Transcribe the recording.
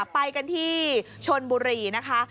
ไปกันที่ชนบุรีนะคะ